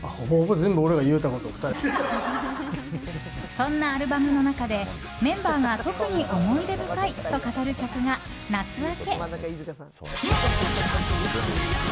そんなアルバムの中でメンバーが特に思い出深いと語る曲が「夏暁」。